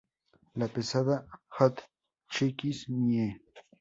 La pesada Hotchkiss Mle.